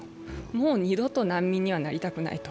もう二度と難民にはなりたくないと。